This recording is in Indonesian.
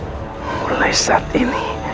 mulai saat ini